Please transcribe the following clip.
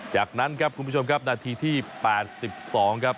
จากนั้นครับคุณผู้ชมครับนาทีที่๘๒ครับ